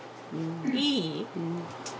いい？